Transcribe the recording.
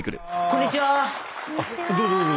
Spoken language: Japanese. こんにちは。